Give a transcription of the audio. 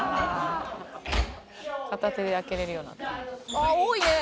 「あっ多いね！